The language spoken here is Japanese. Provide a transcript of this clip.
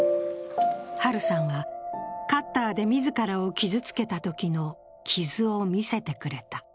ハルさんはカッターで自らを傷つけたときの傷を見せてくれた。